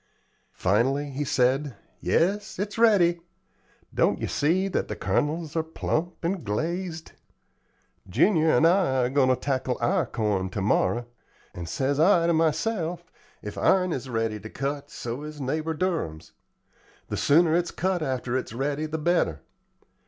Finally he said: "Yes, it's ready. Don't yer see that the kernels are plump and glazed? Junior and I are going to tackle our corn ter morrow, and says I to myself, 'If ourn is ready to cut, so is neighbor Durham's,' The sooner it's cut after it's ready, the better.